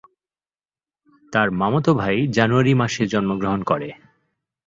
তার মামাতো ভাই জানুয়ারি মাসে জন্মগ্রহণ করে।